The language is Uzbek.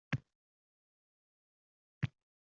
Do’lu yomg’irlar shiddat bilan shahar ustiga yopirilardi.